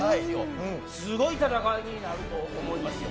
すごい戦いになると思います。